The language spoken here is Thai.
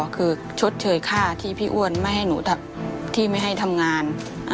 คือชดเชยค่าที่พี่อ้วนไม่ให้หนูที่ไม่ให้ทำงาน